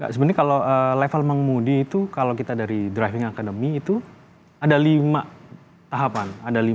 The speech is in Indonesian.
sebenarnya kalau level mengemudi itu kalau kita dari driving academy itu ada lima tahapan